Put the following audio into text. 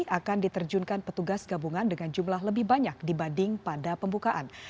akan diterjunkan petugas gabungan dengan jumlah lebih banyak dibanding pada pembukaan